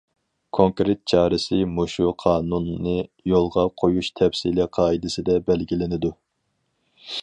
كونكرېت چارىسى مۇشۇ قانۇننى يولغا قويۇش تەپسىلىي قائىدىسىدە بەلگىلىنىدۇ.